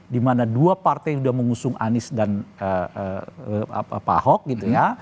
dimana dua partai yang sudah mengusung anies dan pak ahok gitu ya